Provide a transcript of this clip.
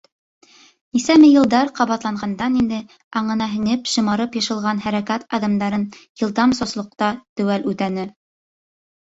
Нисәмә йылдар ҡабатланғандан инде аңына һеңеп шымартып йышылған хәрәкәт-аҙымдарын йылдам сослоҡта теүәл үтәне.